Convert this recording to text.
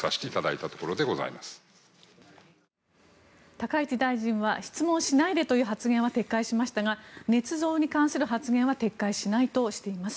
高市大臣は質問しないでという発言は撤回しましたがねつ造に関する発言は撤回しないとしています。